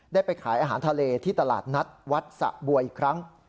ได้ไปขายอาหารทะเลที่ตลาดนัดวัดสะบัวอีกครั้ง